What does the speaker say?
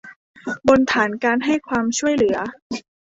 บนฐานการให้ความช่วยเหลือ